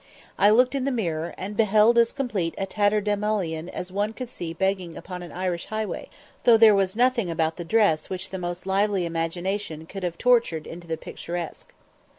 I looked in the mirror, and beheld as complete a tatterdemallion as one could see begging upon an Irish highway, though there was nothing about the dress which the most lively imagination could have tortured into the picturesque.